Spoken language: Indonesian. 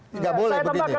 tidak boleh begini